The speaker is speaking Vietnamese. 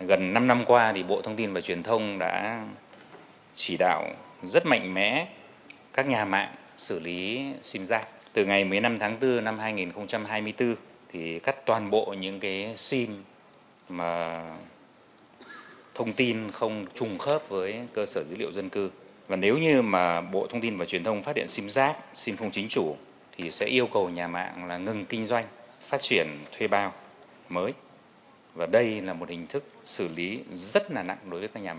cử tri cũng mong muốn bộ thông tin và truyền thông có những giải pháp hữu hiệu hơn nữa trong việc giả soát xử lý những tài khoản ngân hàng không chính chủ vì đây đang là kẽ hở cho loại tội phạm này lợi dụng để thực hiện hành vi phạm